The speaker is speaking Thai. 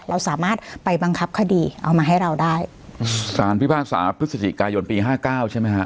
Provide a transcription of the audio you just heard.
เราสามารถไปบังคับคดีเอามาให้เราได้อืมสารพิพากษาพฤศจิกายนปีห้าเก้าใช่ไหมฮะ